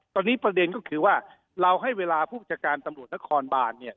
ตอนนี้ประเด็นก็คือว่าเราให้เวลาผู้บัญชาการตำรวจนครบานเนี่ย